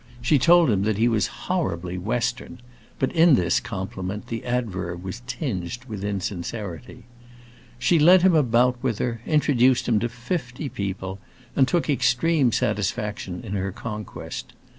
She told him that he was "horribly Western," but in this compliment the adverb was tinged with insincerity. She led him about with her, introduced him to fifty people, and took extreme satisfaction in her conquest.